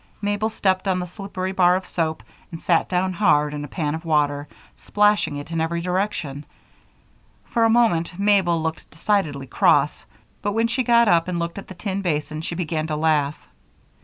Mabel stepped on the slippery bar of soap and sat down hard in a pan of water, splashing it in every direction. For a moment Mabel looked decidedly cross, but when she got up and looked at the tin basin, she began to laugh.